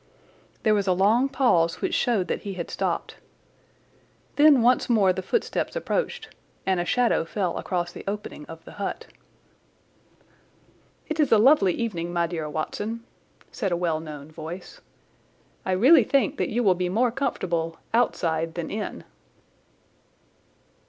There was a long pause which showed that he had stopped. Then once more the footsteps approached and a shadow fell across the opening of the hut. "It is a lovely evening, my dear Watson," said a well known voice. "I really think that you will be more comfortable outside than in."